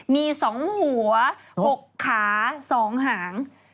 มี๒หัว๖ขา๒หาง